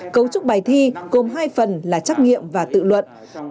cấu trúc bài thi gồm hai phần là trắc nghiệm và tự luận